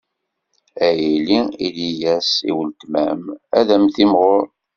A yelli, ili-as i weltma-m, ad am-timɣur.